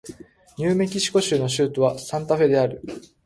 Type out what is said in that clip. ニューメキシコ州の州都はサンタフェである